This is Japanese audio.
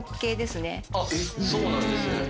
そうなんですね。